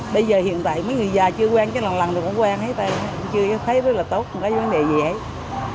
bây giờ hiện tại mấy người già chưa quen chứ lần lần được quen hết rồi chưa thấy rất là tốt không có vấn đề gì hết